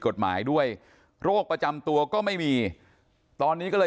กฎหมายด้วยโรคประจำตัวก็ไม่มีตอนนี้ก็เลย